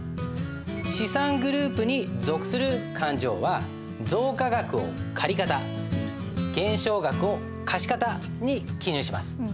資産グループに属する勘定は増加額を借方減少額を貸方に記入します。